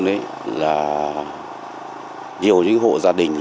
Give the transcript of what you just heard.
nhiều những hộ gia đình